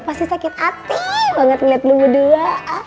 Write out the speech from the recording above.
pasti sakit hati banget liat lu berdua